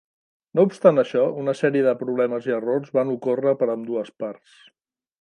No obstant això, una sèrie de problemes i errors van ocórrer per ambdues parts.